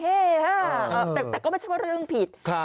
เออมันมันก็ไม่ใช่ว่าเรื่องผิด